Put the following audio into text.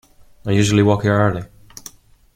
I usually walk here early.